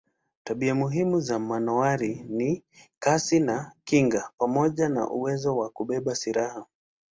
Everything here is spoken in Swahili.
Tabia muhimu za manowari ni kasi na kinga pamoja na uwezo wa kubeba silaha.